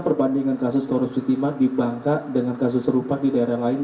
perbandingan kasus korupsi timah di bangka dengan kasus serupa di daerah lain